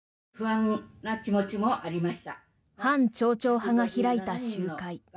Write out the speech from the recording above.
反町長派が開いた集会。